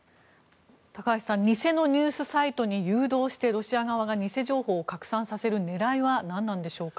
高橋さん偽のニュースサイトに誘導してロシア側が偽情報を拡散させる狙いは何なんでしょうか。